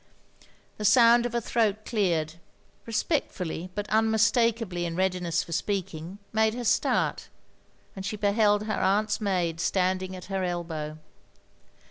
The sotind of a throat cleared — ^respectfully but unmistakably in readiness for speaking, made her start; and she beheld her aunt's maid standing at her elbow.